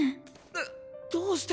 えっどうして？